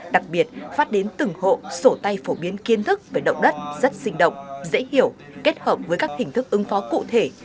đặc biệt phát đến từng hộ sổ tay phổ biến kiến thức về động đất rất sinh động dễ hiểu kết hợp với các hình thức ứng phó cụ thể